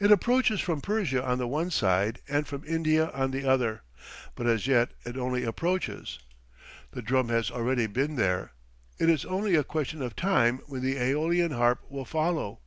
It approaches from Persia on the one side, and from India on the other; but as yet it only approaches. The drum has already been there; it is only a question of time when the AEolian harp will follow.